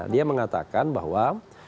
dia mengatakan bahwa